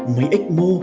máy ếch mô